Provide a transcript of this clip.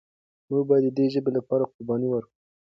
موږ باید د دې ژبې لپاره قرباني ورکړو.